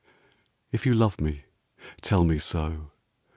If you love me, tell me so.